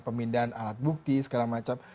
pemindahan alat bukti segala macam